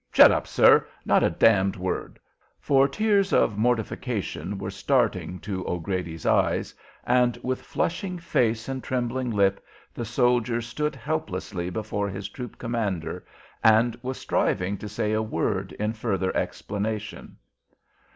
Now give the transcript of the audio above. Shut up, sir! not a d d word!" for tears of mortification were starting to O'Grady's eyes, and with flushing face and trembling lip the soldier stood helplessly before his troop commander, and was striving to say a word in further explanation.